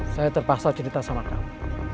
saya terpaksa cerita sama kamu